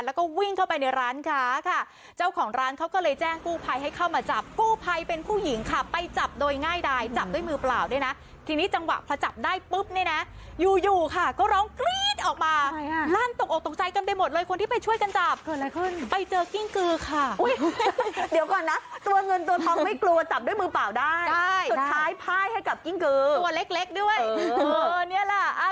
สุดท้ายพ่ายให้กับกิ๊งกือตัวเล็กด้วยเออเนี่ยล่ะอ่า